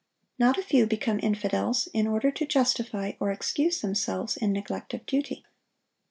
Not a few become infidels in order to justify or excuse themselves in neglect of duty.